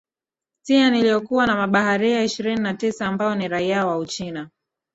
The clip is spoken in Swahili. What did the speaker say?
tian iliyokuwa na mabaharia ishirini na tisa ambao ni raia wa uchina